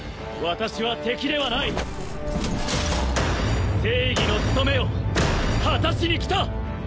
私は敵ではない正義の務めを果たしに来た！